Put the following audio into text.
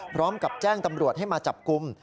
พร้อมกับแจ้งตำรวจให้มาจับกลุ่ม